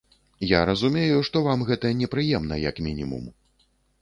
Я разумею, што вам гэта непрыемна, як мінімум.